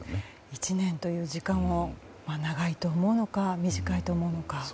１年という時間を長いと思うのか短いと思うのか。